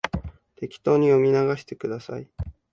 適当に読み流してください